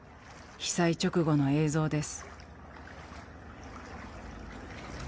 被災直後の映像です。